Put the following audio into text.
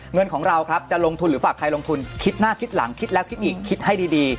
เงินของเราครับจะลงทุนหรือฝากใครลงทุนคิดหน้าคิดหลังคิดแล้วคิดอีกคิดให้ดี